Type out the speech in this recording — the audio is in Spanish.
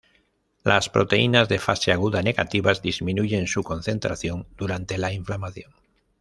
Las proteínas de fase aguda negativas disminuyen su concentración durante la inflamación.